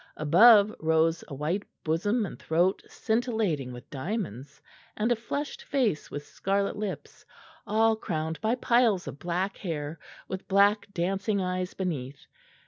Above rose a white bosom and throat scintillating with diamonds, and a flushed face with scarlet lips, all crowned by piles of black hair, with black dancing eyes beneath.